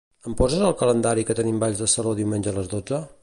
Em poses al calendari que tenim balls de saló diumenge a les dotze?